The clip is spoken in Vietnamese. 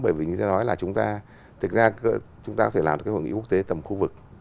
bởi vì như tôi nói là chúng ta thực ra chúng ta có thể làm được cái hội nghị quốc tế tầm khu vực